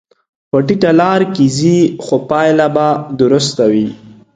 په ټیټه لار کې ځې، خو پایله به درسته وي.